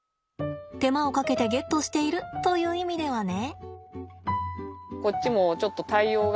手間をかけてゲットしているという意味ではね。